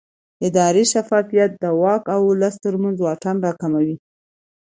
اداري شفافیت د واک او ولس ترمنځ واټن راکموي